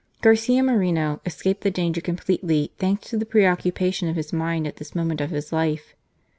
Garcia Moreno escaped the danger completely, thanks to the pre occupation of his mind at this moment of his life.